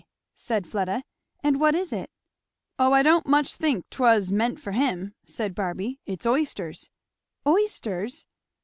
said Fleda; "and what is it?" "O I don't much think 'twas meant for him," said Barby. "It's oysters." "Oysters!"